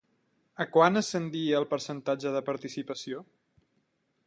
A quant ascendia el percentatge de participació?